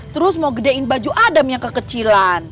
terus mau gedein baju adam yang kekecilan